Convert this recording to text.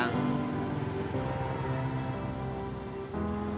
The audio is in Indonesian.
aku akan biayakin